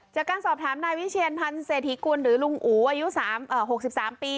จากการสอบถามนายวิเชียนพันธ์เศรษฐีกุลหรือลุงอูอายุ๖๓ปี